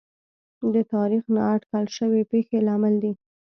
د تاریخ نااټکل شوې پېښې لامل دي.